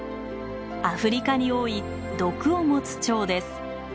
アフリカに多い毒を持つチョウです。